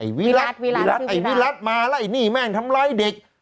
ไอ้วิรัสอันวิรัสมาแล้วอันนี้แม่งทำร้ายเด็ก